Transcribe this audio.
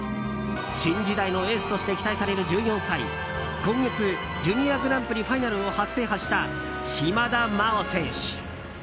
新時代のエースとして期待される１４歳今月ジュニアグランプリファイナルを初制覇した島田麻央選手。